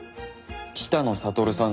「北野悟さん